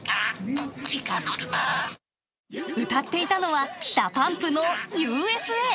歌っていたのは、ＤＡＰＵＭＰのＵ．Ｓ．Ａ。